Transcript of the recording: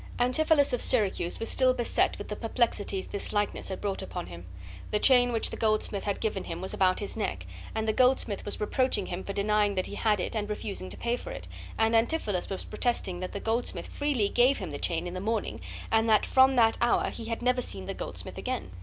Antipholus of Syracuse was still beset with the perplexities this likeness had brought upon him. The chain which the goldsmith had given him was about his neck, and the goldsmith was reproaching him for denying that he had it and refusing to pay for it, and Antipholus was protesting that the goldsmith freely gave him the chain in the morning, and that from that hour he had never seen the goldsmith again.